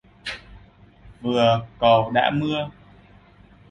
Vừa cầu đã mưa!